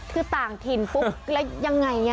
คือต่างถิ่นปุ๊บแล้วยังไง